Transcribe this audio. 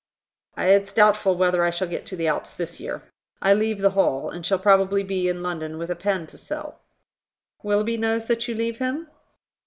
"It's doubtful whether I shall get to the Alps this year. I leave the Hall, and shall probably be in London with a pen to sell." "Willoughby knows that you leave him?"